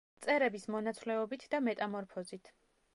მწერების მონაცვლეობით და მეტამორფოზით.